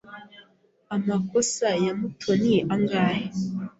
Amakosa ya Mutoni angahe?